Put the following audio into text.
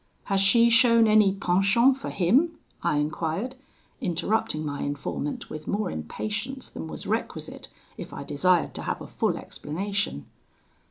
'Has she shown any penchant for him?' I enquired, interrupting my informant with more impatience than was requisite, if I desired to have a full explanation.